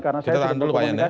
kita tahan dulu pak yan